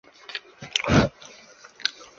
高中二年级时与同学组成乐队。